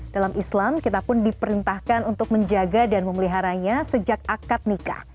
dalam islam kita pun diperintahkan untuk menjaga dan memeliharanya sejak akad nikah